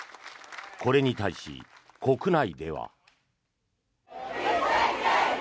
これに対し、国内では。